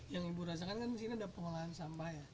yang ibu rasakan kan disini ada pengelolaan sampah ya